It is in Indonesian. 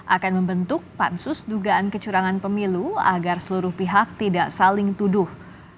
akan membentuk pansus dugaan kecurangan pemilu agar seluruh pihak tidak saling tuduh